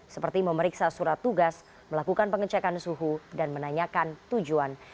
seperti memeriksa surat tugas melakukan pengecekan suhu dan menanyakan tujuan